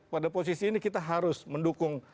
pada posisi ini kita harus mendukung